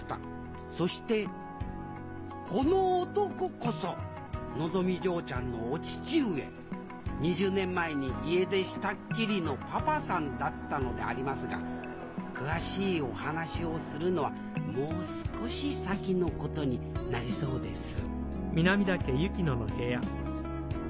そしてこの男こそのぞみ嬢ちゃんのお父上２０年前に家出したっきりのパパさんだったのでありますが詳しいお話をするのはもう少し先のことになりそうです